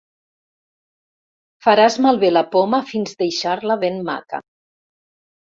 Faràs malbé la poma fins deixar-la ben maca.